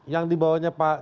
yang dibawanya pak